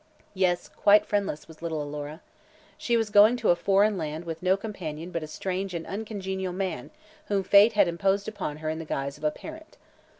Yes, quite friendless was little Alora. She was going to a foreign land with no companion but a strange and uncongenial man whom fate had imposed upon her in the guise of a parent.